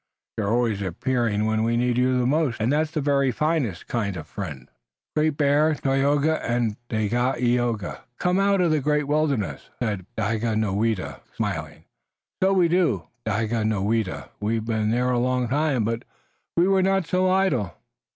You're always appearing when we need you most, and that's the very finest kind of a friend." "Great Bear, Tayoga and Dagaeoga come out of the great wilderness," said Daganoweda, smiling. "So we do, Daganoweda. We've been there a long time, but we were not so idle."